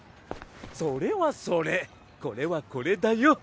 それはそれこれはこれだよ。